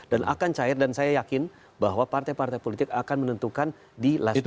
dan akan cair dan saya yakin bahwa partai partai politik akan menentukan di last minute